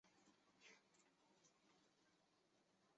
成为实川的知名代表歌曲。